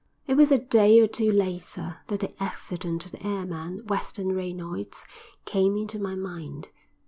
It was a day or two later that the accident to the airman, Western Reynolds, came into my mind.